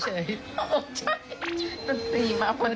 โอ้ใช่ดนติซักอันนี้